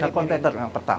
ya tiga container yang pertama